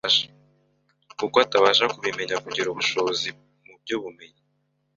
kuko atabasha kubimenya kubera ubushobozi muby’ubumenyi